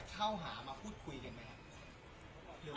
คือพยายามอยากที่จะเข้าหามาพูดคุยกันไหมครับ